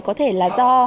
có thể là do